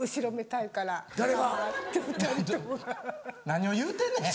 何を言うてんねん！